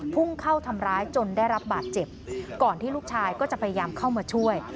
พุ่งเข้าทำร้ายจนได้รับบาดเจ็บก่อนที่ลูกชายก็จะพยายามเข้ามาช่วย